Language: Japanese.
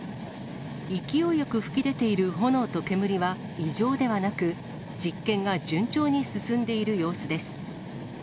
勢いよく噴き出ている炎と煙は異常ではなく、実験が順調に進んでいる様子です。